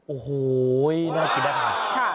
โอ้โหน่ากินได้ค่ะ